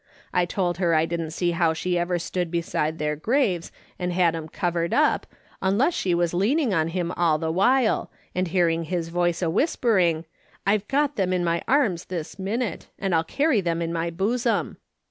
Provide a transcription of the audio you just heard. I told her I didn't see how she ever stood beside their graves and had 'em covered up, unless she was leaning on him all the while, and hearing his voice a whispering, ' I've got them in my arms this minute, and I'll carry them in my bosom.'